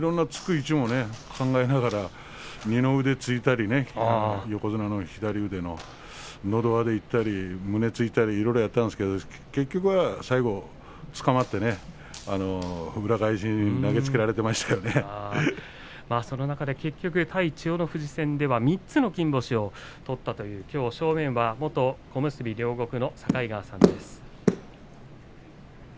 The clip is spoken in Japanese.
つく位置も二の腕をついたり横綱の左を、のど輪でいったり胸を突いたりいろいろやったんですけど結局、最後はつかまって裏返しに投げつけられて対千代の富士戦では３つの金星を取ったという正面は元小結両国の境川さんです。